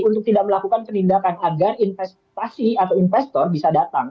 untuk tidak melakukan penindakan agar investasi atau investor bisa datang